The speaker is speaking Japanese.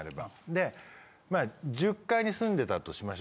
で１０階に住んでたとしましょ。